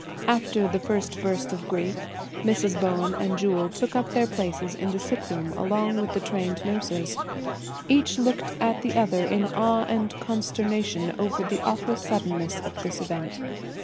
After the first burst of grief, Mrs. Bowen and Jewel took up their places in the sick room along with the trained nurses. Each looked at the other in awe and consternation over the awful suddenness of this event.